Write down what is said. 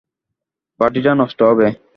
Party টা নষ্ট হবে।